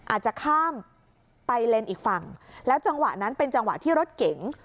อาจจะข้ามไปเลนส์อีกฝั่งแล้วจังหวะนั้นเป็นจังหวะที่รถเก๋ง